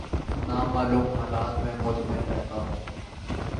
نا معلوم حالات میں مطمئن رہتا ہوں